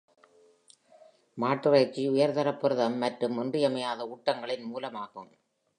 மாட்டிறைச்சி உயர்தர-புரதம் மற்றும் இன்றியமையாத ஊட்டங்களின் மூலமாகும்.